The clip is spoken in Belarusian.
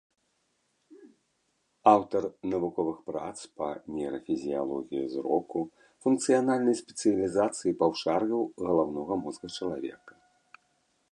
Аўтар навуковых прац па нейрафізіялогіі зроку, функцыянальнай спецыялізацыі паўшар'яў галаўнога мозга чалавека.